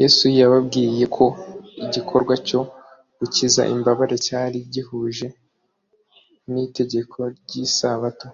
Yesu yababwiye ko igikorwa cyo gukiza imbabare cyari gihuje n’itegeko ry’Isabato